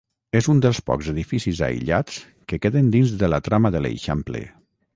És un dels pocs edificis aïllats que queden dins de la trama de l'Eixample.